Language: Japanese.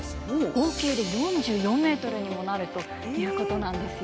合計で４４メートルにもなるということなんですよ。